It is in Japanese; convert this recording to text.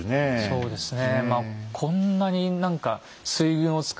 そうですよね。